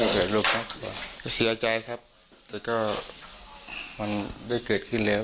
เกิดรูปมากกว่าเสียใจครับแต่ก็มันได้เกิดขึ้นแล้ว